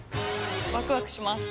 ワクワクします。